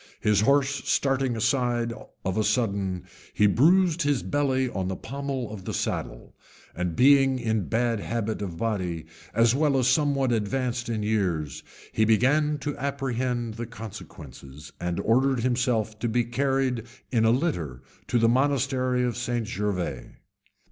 His horse starting aside of a sudden, he bruised his belly on the pommel of the saddle; and being in a bad habit of body, as well as somewhat advanced in years, he began to apprehend the consequences, and ordered himself to be carried in a litter to the monastery of St Gervas.